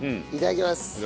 いただきます。